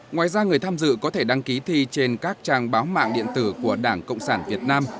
ngoài ra người tham dự có thể đăng ký thi trên các trang báo mạng điện tử của đảng cộng sản việt nam